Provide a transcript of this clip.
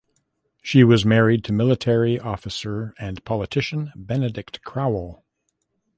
She was married to military officer and politician Benedict Crowell.